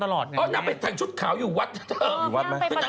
ก็ยังมีเบลล่าไหม